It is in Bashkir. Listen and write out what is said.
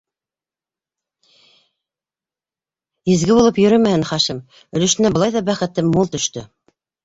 Изге булып йөрөмәһен Хашим, өлөшөнә былай ҙа бәхет мул гөштө.